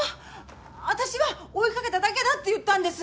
私は追い掛けただけだって言ったんです。